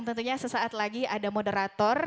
tentunya sesaat lagi ada moderator